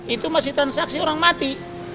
itu masih transaksi orang mati